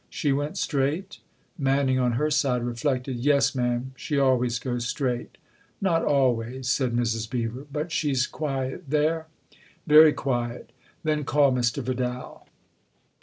" She went straight ?" Manning, on her side, reflected. "Yes, ma'am. She always goes straight." " Not always," said Mrs. Beever. " But she's quiet there ?" "Very quiet." "Then call Mr. Vidal."